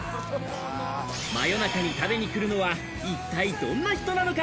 夜中に食べに来るのは一体どんな人なのか？